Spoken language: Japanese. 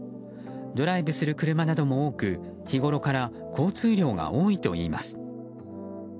ドライブする車なども多く日ごろから交通量が多いといいます。